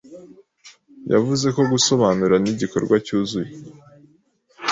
yavuze ko gusobanura nigikorwa cyuzuye